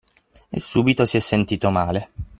e subito si è sentito male.